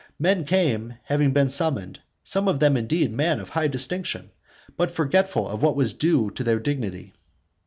Men came, having been summoned, some of them indeed men of high distinction, but forgetful of what was due to their dignity.